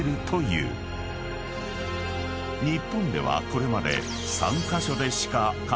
［日本ではこれまで］